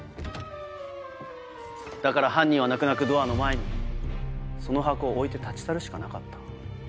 だから犯人は泣く泣くドアの前にその箱を置いて立ち去るしかなかった。